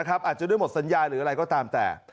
อาจจะด้วยหมดสัญญาหรืออะไรก็ตามแต่